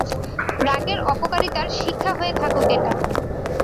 রাগের অপকারিতার শিক্ষা হয়ে থাকুক এটা।